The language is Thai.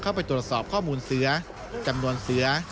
เข้าไปตรวจสอบข้อมูลเสือจำนวนเสือ